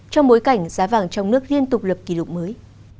trong bối cảnh giá vàng trong nước liên tục lập kỷ lục mới